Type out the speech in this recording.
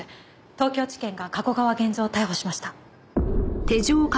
東京地検が加古川源蔵を逮捕しました。